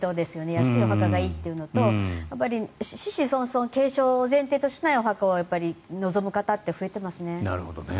安いお墓がいいというのと子々孫々継承を前提としないお墓を望む方って増えてますね。